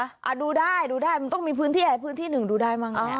อ่าดูได้ดูได้มันต้องมีพื้นที่อะไรพื้นที่หนึ่งดูได้มั้งเนี้ย